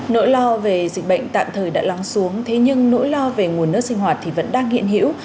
nỗi lo về dịch bệnh tạm thời đã lắng xuống thế nhưng nỗi lo về nguồn nước sinh hoạt thì vẫn đang hiện hữu